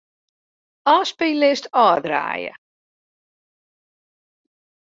Ofspyllist ôfdraaie.